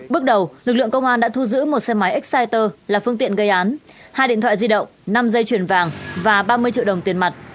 bước đầu lực lượng công an đã thu giữ một xe máy exciter là phương tiện gây án hai điện thoại di động năm dây chuyền vàng và ba mươi triệu đồng tiền mặt